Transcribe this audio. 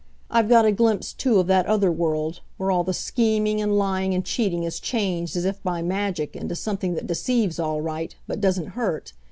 I've got a glimpse, too, of that other world where all the scheming and lying and cheating is changed as if by magic into something that deceives all right, but doesn't hurt.